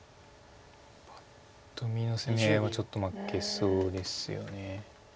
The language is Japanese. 攻め合いはちょっと負けそうですよね。